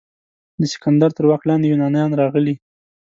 د سکندر تر واک لاندې یونانیان راغلي.